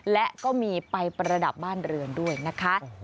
และก็มีไปประดับบ้านเรือนด้วยนะคะ